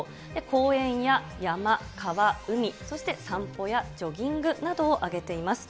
公園や山、川、海、そして散歩やジョギングなどを挙げています。